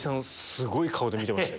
すごい顔で見てました。